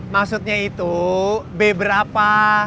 maksudnya itu b berapa